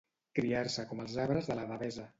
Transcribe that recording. Criar-se com els arbres de la Devesa.